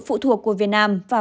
phụ thuộc của việt nam và